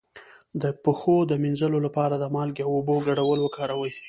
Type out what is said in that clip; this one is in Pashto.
د پښو د مینځلو لپاره د مالګې او اوبو ګډول وکاروئ